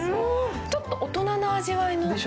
ちょっと大人の味わいの。